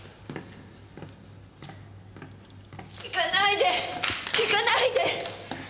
行かないで行かないで！